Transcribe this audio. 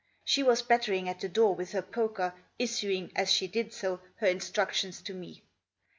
She was battering at the door with her poker, issuing, as she did so, her instructions to me.